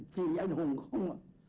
chỉ hùng không